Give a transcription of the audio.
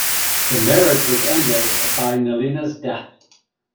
The marriage was ended by Nelina's death.